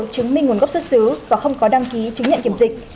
chứng minh nguồn gốc xuất xứ và không có đăng ký chứng nhận kiểm dịch